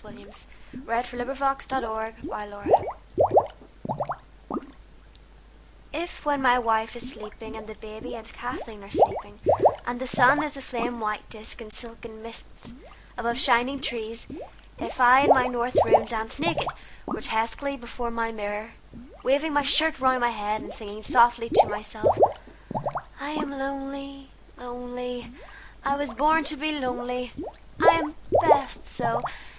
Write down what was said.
William Carlos Williams Danse Russe IF when my wife is sleeping and the baby and Kathleen are sleeping and the sun is a flame white disc in silken mists above shining trees, if I in my north room dance naked, grotesquely before my mirror waving my shirt round my head and singing softly to myself: "I am lonely, lonely. I was born to be lonely, I am best so!"